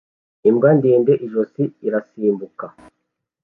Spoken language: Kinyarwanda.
Imbwa ndende ijosi irasimbuka